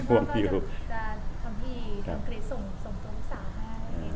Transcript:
เดี๋ยววันนี้พวกเราจะทำที่ลองกรี๊ดส่งตัวลูกสาวให้